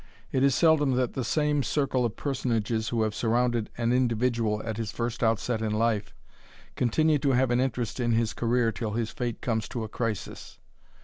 It is seldom that the same circle of personages who have surrounded an individual at his first outset in life, continue to have an interest in his career till his fate comes to a crisis.